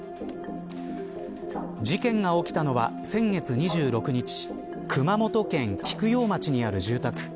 事件が起きたのは先月２６日熊本県菊陽町にある住宅。